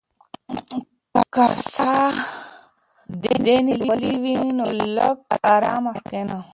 که ساه دې نیولې وي نو لږ په ارامه کښېنه.